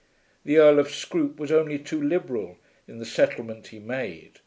The Earl of Scroope was only too liberal in the settlement he made.